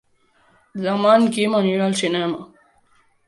Demà en Quim anirà al cinema.